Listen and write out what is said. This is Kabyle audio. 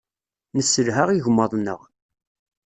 Nesselha igmaḍ-nneɣ.